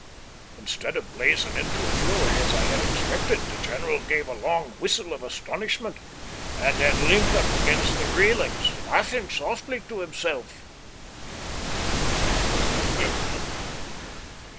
Instead of blazing into a fury, as I had expected, the general gave a long whistle of astonishment, and then leant up against the railings, laughing softly to himself.